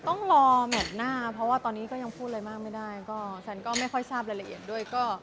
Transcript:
ต้องรอแมทหน้าเพราะว่าตอนนี้ก็ยังพูดอะไรมากไม่ได้ก็แซนก็ไม่ค่อยทราบรายละเอียดด้วย